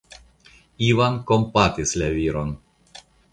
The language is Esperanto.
Ivan kompatis la viron.